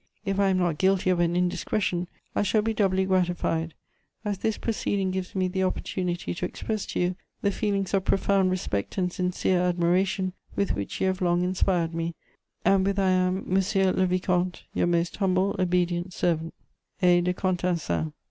If I am not guilty of an indiscretion, I shall be doubly gratified, as this proceeding gives me the opportunity to express to you the feelings of profound respect and sincere admiration with which you have long inspired me, and with I am, monsieur le vicomte, "your most humble, obedient servant, "A. DE CONTENCIN.